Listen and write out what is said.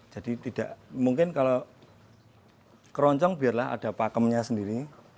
jadi mungkin kalau kroncong biarlah ada pakemnya sendiri